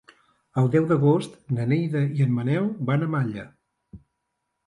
El deu d'agost na Neida i en Manel van a Malla.